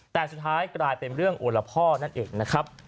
แต่สุดท้ายกลายเป็นเรื่องโอละพ่อนั่นเองนะครับ